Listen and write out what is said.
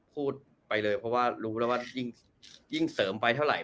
เพราะก็รู้ได้ว่ายิ่งเสริมไปเท่าไหร่